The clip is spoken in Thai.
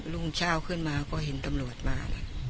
ลุงเวลาฉ้าวก็เห็นตำรวจมา